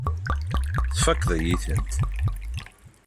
Tfakkeḍ-iyi-tent.